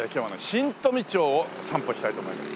新富町を散歩したいと思います。